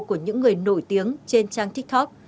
của những người nổi tiếng trên trang tiktok